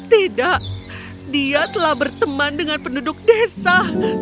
tidak dia telah berteman dengan penduduk desa